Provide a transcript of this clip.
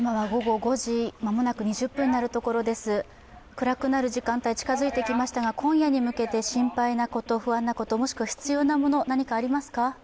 暗くなる時間帯近くなってきましたが今夜に向けて不安なこと、もしくは必要なもの、なにかありますか？